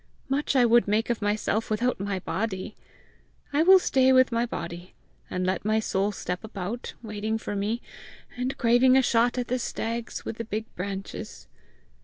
Much I would make of myself without my body! I will stay with my body, and let my soul step about, waiting for me, and craving a shot at the stags with the big branches!